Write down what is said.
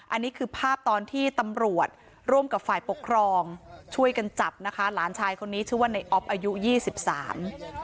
อันนี้คือภาพตอนที่ตำรวจร่วมกับฝ่ายปกครองช่วยกันจับนะคะหลานชายคนนี้ชื่อว่าในออฟอายุยี่สิบสาม